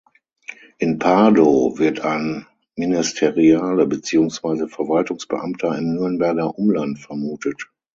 In "Pardo" wird ein Ministeriale beziehungsweise Verwaltungsbeamter im Nürnberger Umland vermutet.